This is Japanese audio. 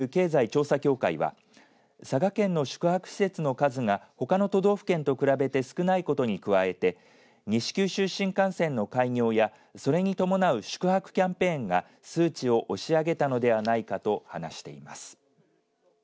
九州経済調査協会は佐賀県の宿泊施設の数がほかの都道府県と比べて少ないことに加えて西九州新幹線の開業やそれに伴う宿泊キャンペーンが数値を押し上げたのではないかと話しています。